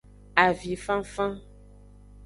Avinfanfan.